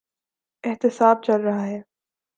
احتساب چل رہا ہے۔